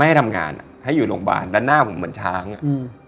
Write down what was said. ให้ทำงานอ่ะให้อยู่โรงพยาบาลด้านหน้าผมเหมือนช้างอ่ะอืม